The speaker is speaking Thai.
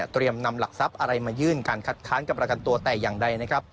เตรียมนำหลักทรัพย์อะไรมายื่นการคัดค้านกับรากันตัวแต่อย่างใด